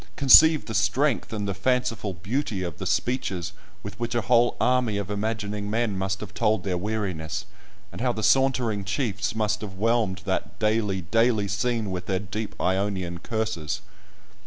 conceive the strength, and the fanciful beauty, of the speeches with which a whole army of imagining men must have told their weariness, and how the sauntering chiefs must have whelmed that daily, daily scene with their deep Ionian curses!